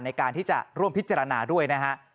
ในการที่จะร่วมพิจารณาด้วยนะฮะ